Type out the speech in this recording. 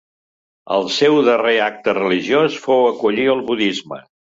El seu darrer acte religiós fou acollir el budisme.